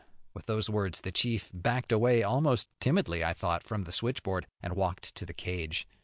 With the words the chief backed away, almost timidly, I thought, from the switchboard, and walked to the cage.